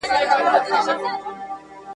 وخت د مور له خوا تنظيم کيږي!!